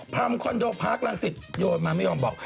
พรรมคอนโดภาครังสิทธิ์โยนมาไม่ห่วงบอก